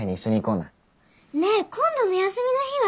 ねえ今度の休みの日は？